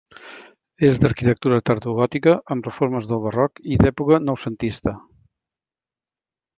És d'arquitectura tardogòtica, amb reformes del barroc i d'època noucentista.